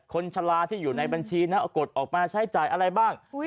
ชะลาที่อยู่ในบัญชีนะเอากดออกมาใช้จ่ายอะไรบ้าง